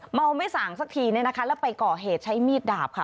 เมาไม่สางสักทีนะคะแล้วไปเกาะเหตุใช้มีดดาบค่ะ